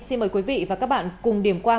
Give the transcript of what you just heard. xin mời quý vị và các bạn cùng điểm qua